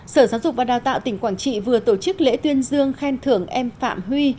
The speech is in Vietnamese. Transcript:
sở giáo dục và đào tạo tỉnh quảng trị vừa tổ chức lễ tuyên dương khen thưởng em phạm huy